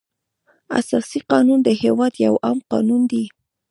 اساسي قانون د هېواد یو عام قانون دی.